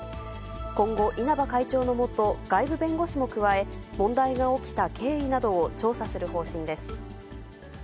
今後、稲葉会長の下、外部弁護士も加え、問題が起きた経緯などを調査する方針です。